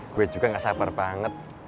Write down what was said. gue juga gak sabar banget